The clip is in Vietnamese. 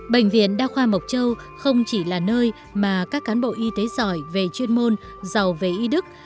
bệnh viện đa khoa mộc châu không chỉ là nơi mà các cán bộ y tế giỏi về chuyên môn giàu về y đức